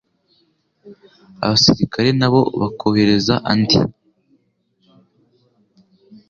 abasirikare nabo bakohereza andi,